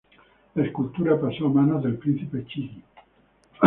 La escultura pasó a manos del príncipe Chigi.